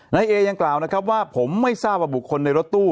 นายเอยังกล่าวนะครับว่าผมไม่ทราบว่าบุคคลในรถตู้